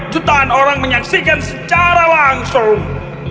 jutaan orang menyaksikan secara langsung